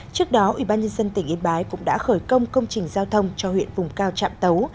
trước đó ubnd tỉnh yên bái cũng đã khởi công công trình giao thông cho huyện vùng cao trạm tấu